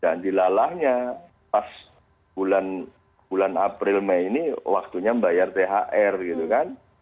dan dilalahnya pas bulan april mei ini waktunya bayar thr gitu kan